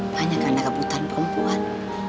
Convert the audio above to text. hanya karena rebutan perempuan